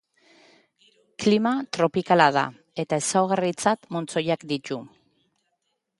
Klima tropikala da eta ezaugarritzat montzoiak ditu.